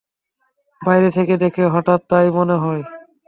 বাইরে থেকে দেখে হঠাৎ তাই মনে হয়।